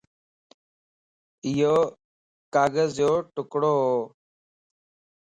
ايو ڪاغذَ جو ٽڪڙو وَ